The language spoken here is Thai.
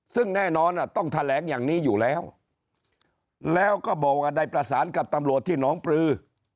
ซึ่งแน่นอนต้องแถลงอย่างนี้อยู่แล้วแล้วก็บอกว่าได้ประสานกับตำรวจที่น้องปลือ